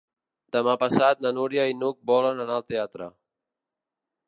Demà passat na Núria i n'Hug volen anar al teatre.